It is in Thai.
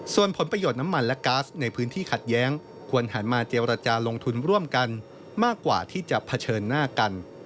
ส่วนผลประโยชน์น้ำมันและก๊าซในพื้นที่ขัดแย้งควรหันมาเจรจาลงทุนร่วมกันมากกว่าที่จะเผชิญหน้ากัน